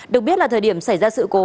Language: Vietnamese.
được biết là thời điểm xảy ra sự cố